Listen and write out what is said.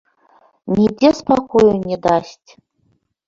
Нідзе спакою не дасць.